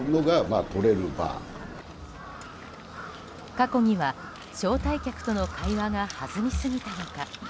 過去には、招待客の会話が弾みすぎたのか。